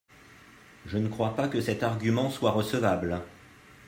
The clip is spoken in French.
Je ne crois pas que cet argument soit recevable.